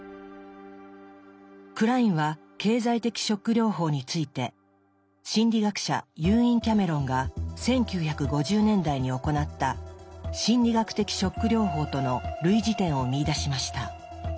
クラインは「経済的ショック療法」について心理学者ユーイン・キャメロンが１９５０年代に行った「心理学的ショック療法」との類似点を見いだしました。